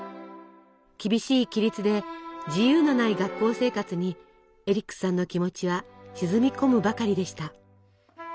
厳しい規律で自由のない学校生活にエリックさんの気持ちは沈み込むばかりでした。